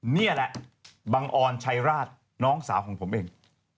นี่แหละบังออนชัยราชน้องสาวของผมเอง